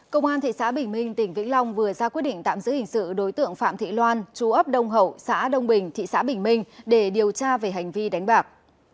công an thị xã bình minh tỉnh vĩnh long vừa ra quyết định tạm giữ hình sự đối tượng phạm thị loan chú ấp đông hậu xã đông bình thị xã bình minh để điều tra về hành vi đánh bạc